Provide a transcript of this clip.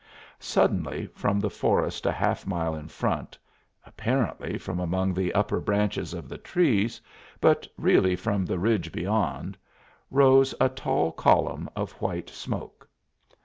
Suddenly, from the forest a half mile in front apparently from among the upper branches of the trees, but really from the ridge beyond rose a tall column of white smoke.